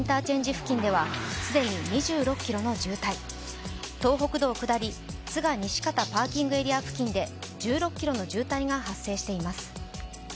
付近では既に２６ｋｍの渋滞、東北道下り、都賀西方パーキングエリア付近で１６ｋｍの渋滞が発生しています。